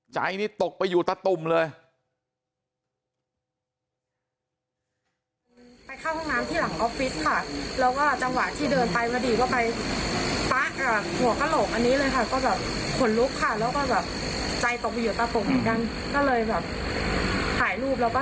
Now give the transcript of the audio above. ใจนี่ตกไปอยู่ตะตุ่มเลย